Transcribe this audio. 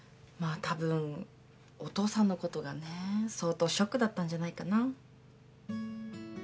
まあたぶんお父さんのことがね相当ショックだったんじゃないかな。